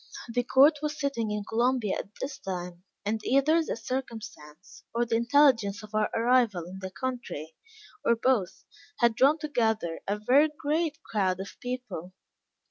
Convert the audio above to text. The court was sitting in Columbia at this time, and either this circumstance or the intelligence of our arrival in the country, or both, had drawn together a very great crowd of people.